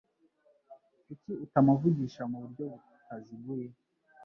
Kuki utamuvugisha muburyo butaziguye?